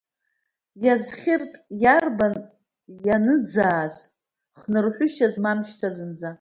Иазхьыртә, иарбан ианыӡааз, хнырҳәышьа змам шьҭа зынӡа?